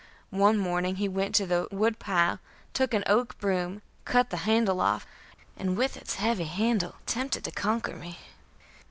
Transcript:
One morning he went to the wood pile, took an oak broom, cut the handle off, and with this heavy handle attempted to conquer me.